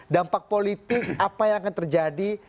dampak politik apa yang akan terjadi